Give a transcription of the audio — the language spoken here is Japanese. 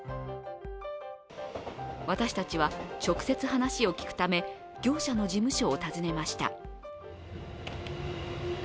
私たちは直接話を聞くため、業者の事務所を訪ねました。